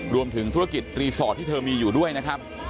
รวมถึงธุรกิจรีสอร์ทที่เธอมีอยู่ด้วยนะครับ